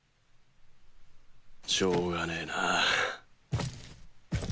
しょうがねえな。